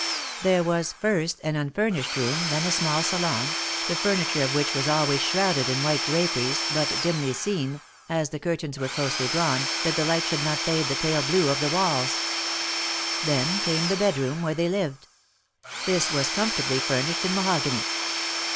There was first an unfur nished room, then a small salon, the furniture of which was always shrouded in white draperies, but dimly seen, sT ,as the curtains were closely drawn, that the light should ^ not fade the pale blue of the walls. Then came the 1 bed room, where they lived. This was comfortably 'iurnished in mahogany.